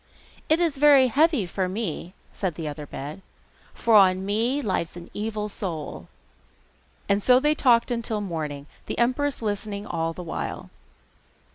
'It is very heavy for me!' said the other bed, 'for on me lies an evil soul.' And so they talked on till the morning, the empress listening all the while.